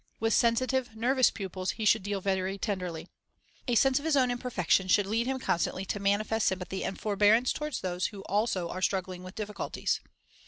With sensitive, nervous pupils he should deal very tenderly. A sense of his own imperfections should lead him constantly to manifest sympathy and forbearance toward those who also are struggling with difficulties.